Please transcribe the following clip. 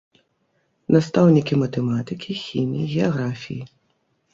Настаўнікі матэматыкі, хіміі, геаграфіі.